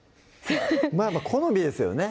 まぁ好みですよね